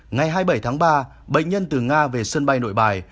ngày hai mươi bảy tháng ba bệnh nhân từ nga về sân bay nội bài